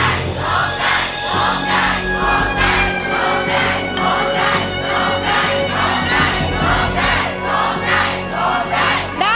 ร้องได้รองได้รองได้รองได้